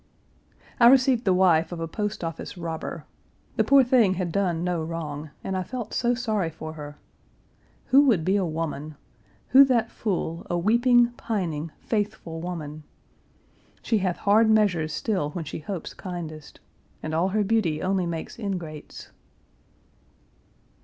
I received the wife of a post office robber. The poor thing had done no wrong, and I felt so sorry for her. Who would be a woman? Who that fool, a weeping, pining, faithful woman? She hath hard measures still when she hopes kindest. And all her beauty only makes ingrates!